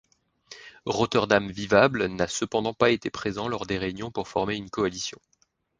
Rotterdam vivable n'a cependant pas été présent lors des réunions pour former une coalition.